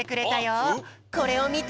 これをみて！